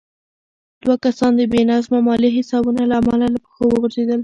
دوه کسان د بې نظمه مالي حسابونو له امله له پښو وغورځېدل.